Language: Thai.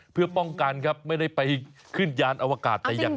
เพื่อป้องกันครับไม่ได้ไปขึ้นยานอวกาศแต่อย่าง